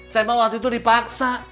saya mah waktu itu dipaksa